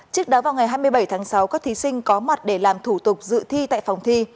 trước đó vào ngày hai mươi bảy tháng sáu các thí sinh có mặt để làm thủ tục dự thi tại phòng thi